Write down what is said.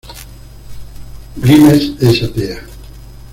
Grimes es atea.